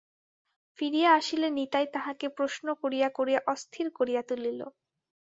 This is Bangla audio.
ফিরিয়া আসিলে নিতাই তাঁহাকে প্রশ্ন করিয়া করিয়া অস্থির করিয়া তুলিল।